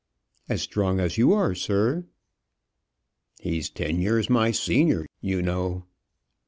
"As strong as you are, sir." "He's ten years my senior, you know."